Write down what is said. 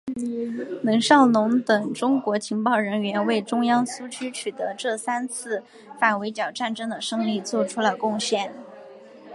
冷少农等中共情报人员为中央苏区取得这三次反围剿战争的胜利作出了贡献。